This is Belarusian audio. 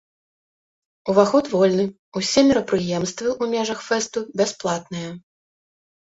Уваход вольны, усе мерапрыемствы ў межах фэсту бясплатныя.